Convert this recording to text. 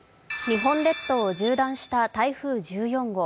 日本列島を縦断した台風１４号。